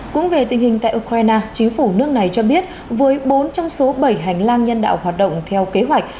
cũng về tình hình tại ukraine chính phủ nước này cho biết với bốn trong số bảy hành lang nhân đạo hoạt động theo kế hoạch